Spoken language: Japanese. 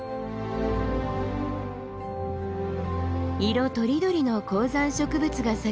色とりどりの高山植物が咲き誇り